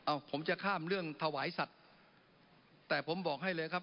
เอาผมจะข้ามเรื่องถวายสัตว์แต่ผมบอกให้เลยครับ